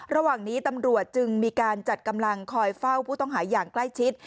ระหว่างนี้ตำรวจจึงมีการจัดกำลังคอยเฝ้าผู้ต้องหาอย่างใกล้ชิด